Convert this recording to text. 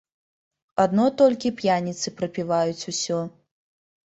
Адно толькі п'яніцы прапіваюць усё.